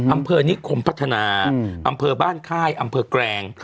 อำเภอนิคมพัฒนาอำเภอบ้านค่ายอำเภอแกรง